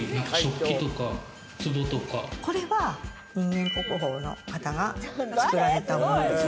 これは人間国宝の方が作られたものです。